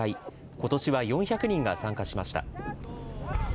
ことしは４００人が参加しました。